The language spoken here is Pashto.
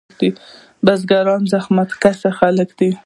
بزګران زحمت کشه خلک دي.